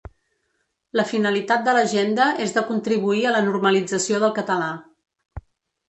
La finalitat de l’agenda és de contribuir a la normalització del català.